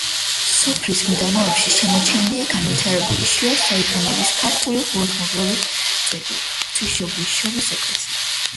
სოფლის მიდამოებში შემორჩენილია განვითარებული შუა საუკუნეების ქართული ხუროთმოძღვრების ძეგლი: ღვთისმშობლის შობის ეკლესია.